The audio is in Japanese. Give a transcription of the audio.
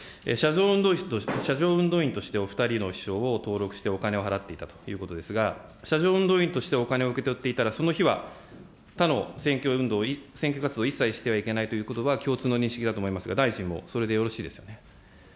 車上運動員としてお２人の秘書を登録してお金を払っていたということですが、車上運動員としてお金を受け取っていたら、その日は、他の選挙運動、選挙活動を一切してはいけないということは、共通の認識だと思いますが、大臣もそれでよろしいですよね。